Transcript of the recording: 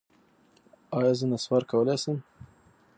ایا زه نسوار کولی شم؟